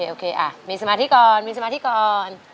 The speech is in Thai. โอเคอ่ะมีสมาธิก่อน